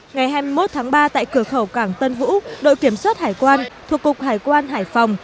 ngày hai mươi một tháng ba tại cửa khẩu cảng tân vũ đội kiểm soát hải quan thuộc cục hải quan hải phòng